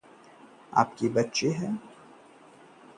क्या यह आपकी बच्ची है?